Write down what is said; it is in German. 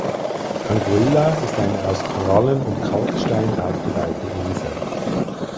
Anguilla ist eine aus Korallen und Kalkstein aufgebaute Insel.